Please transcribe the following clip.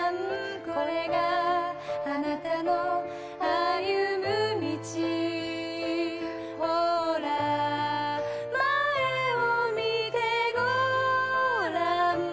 「これがあなたの歩む道」「ほら前を見てごらん」